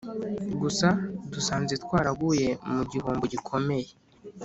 gusa dusanze twaraguye mu gihombo gikomeye